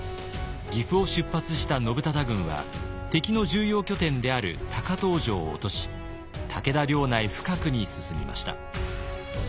岐阜を出発した信忠軍は敵の重要拠点である高遠城を落とし武田領内深くに進みました。